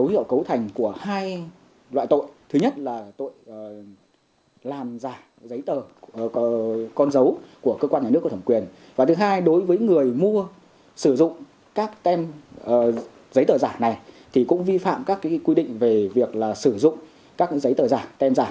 đối với người mua sử dụng các giấy tờ giả này thì cũng vi phạm các quy định về việc sử dụng các giấy tờ giả tem giả